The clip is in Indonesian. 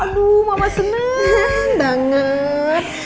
aduh mama senang banget